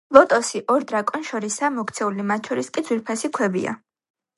ლოტოსი ორ დრაკონს შორისაა მოქცეული, მათ შორის კი ძვირფასი ქვებია.